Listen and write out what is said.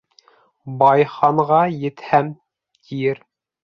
Бай «ханға етһәм» тиер